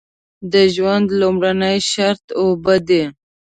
د ژوند لومړنی شرط اوبه دي.